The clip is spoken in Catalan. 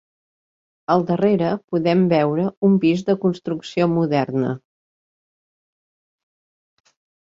Al darrere podem veure un pis de construcció moderna.